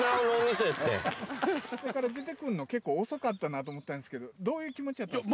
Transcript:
下から出てくるの、結構遅かったなと思ったんですけど、どういう気持ちやったんですか？